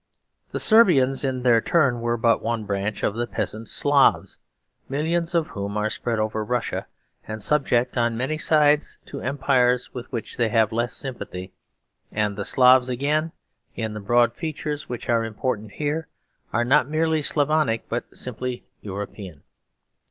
The Serbians in their turn were but one branch of the peasant Slavs, millions of whom are spread over Russia and subject on many sides to empires with which they have less sympathy; and the Slavs again, in the broad features which are important here, are not merely Slavonic but simply European.